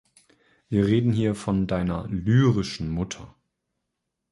Wir reden hier von deiner lyrischen Mutter.